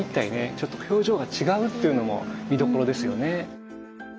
ちょっと表情が違うというのも見どころですよね。